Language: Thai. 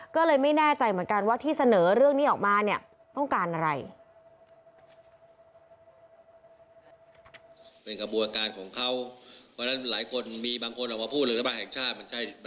ก็เลยไม่แน่ใจเหมือนกันว่าที่เสนอเรื่องนี้ออกมาเนี่ยต้องการอะไร